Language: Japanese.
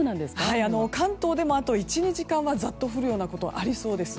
はい、関東でもあと１２時間はザッと降るようなことがありそうです。